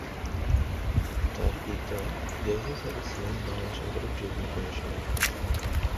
তার পিতা ইয়াহিয়া সাদেক ছিলেন বাংলা সরকারের যুগ্ম কমিশনার।